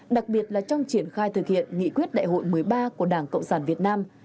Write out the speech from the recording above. đặc biệt là trong triển khai thực hiện nghị quyết đại hội một mươi ba của đảng cộng sản việt nam